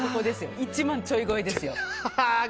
１万ちょい超えですよ。